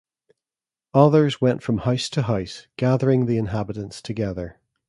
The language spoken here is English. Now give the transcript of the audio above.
Others went from house to house, gathering the inhabitants together.